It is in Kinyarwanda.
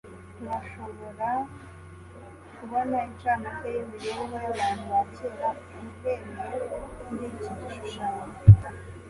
Turashobora kubona incamake yimibereho yabantu ba kera uhereye kuriki gishushanyo